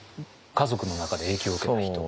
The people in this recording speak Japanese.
家族の中で影響を受けた人。